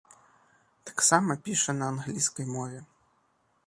Таксама піша на англійскай мове.